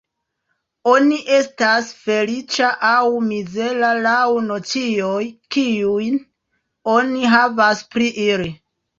Oni estas feliĉa aŭ mizera laŭ nocioj, kiujn oni havas pri ili.